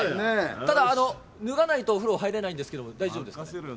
ただあの、脱がないと風呂入らないですけれども、大丈夫ですか？